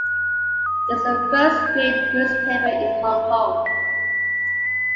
It is the first free newspaper in Hong Kong.